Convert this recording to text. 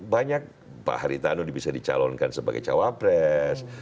banyak pak haritanu bisa dicalonkan sebagai cawapres